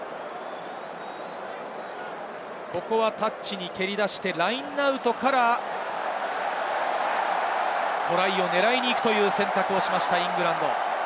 ここはタッチに蹴り出して、ラインアウトからトライを狙いに行くという選択をしましたイングランド。